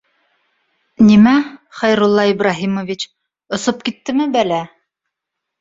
Нимә, Хәйрулла Ибраһимович, осоп киттеме бәлә-